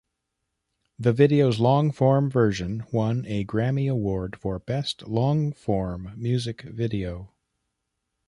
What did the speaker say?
The video's long-form version won a Grammy Award for Best Long Form Music Video.